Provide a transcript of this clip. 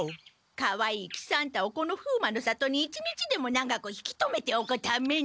かわいい喜三太をこの風魔の里に一日でも長く引き止めておくために。